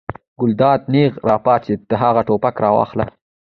ګلداد نېغ را پاڅېد: ته هغه ټوپک راواخله.